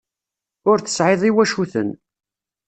Ur tesɛiḍ iwacuten.